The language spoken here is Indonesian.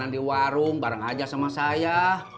di warung bareng aja sama saya